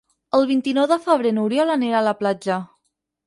El vint-i-nou de febrer n'Oriol anirà a la platja.